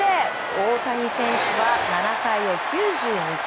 大谷選手は７回を９２球。